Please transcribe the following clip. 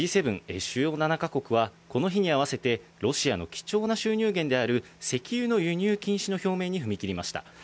・主要７か国は、この日に合わせて、ロシアの貴重な収入源である、石油の輸入禁止の表明に踏み切りました。